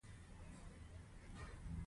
د قدرت نیولو سره سم یې اصلاحات پیل کړل.